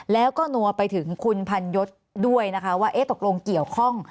แล้วก็นัวไปถึงคุณพันยศด้วยนะคะว่าตกลงเกี่ยวข้อง